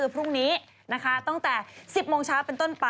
ต้องนอนค่ะต้องนอน